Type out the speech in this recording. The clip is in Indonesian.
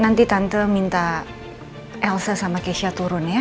nanti tante minta elsa sama keisha turun ya